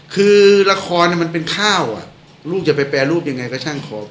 คือละครมันเป็นข้าวลูกจะไปแปรรูปยังไงก็ช่างคอ